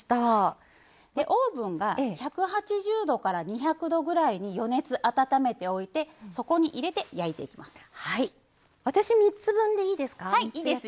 オーブンが１８０度から２００度ぐらいに予熱、温めておいてそこに入れて焼いていきます。